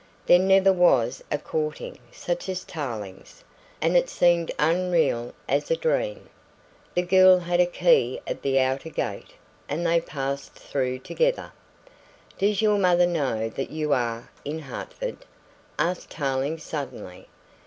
There never was a courting such as Tarling's, and it seemed unreal as a dream. The girl had a key of the outer gate and they passed through together. "Does your mother know that you are in Hertford?" asked Tarling suddenly.